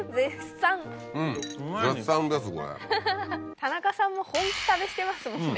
田中さんも本気食べしてますもんね。